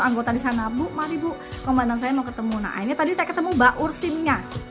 anggota di sana bu mari bu komandan saya mau ketemu nah ini tadi saya ketemu mbak ursimnya